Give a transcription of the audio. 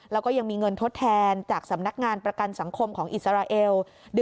แล้วก็ยังมีเงินทดแทนจากสำนักงานประกันสังคมของอิสราเอล